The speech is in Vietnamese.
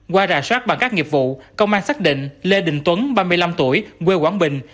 qua rà soát bằng các nghiệp vụ công an xác định lê đình tuấn ba mươi năm tuổi quê quảng bình